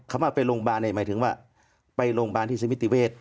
คำว่าไปโรงพยาบาลหมายถึงว่าไปโรงพยาบาลที่สมิติเวศ